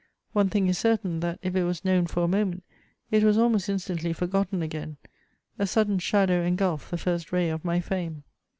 One thing is certain, that if it was known for a moment, it was almost instantly forgotten again ; a sudden shadow en gulphed the first ray of my fame.